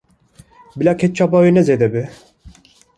Bila ketçapa wê ne zêde be.